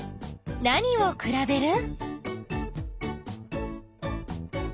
なにをくらべる？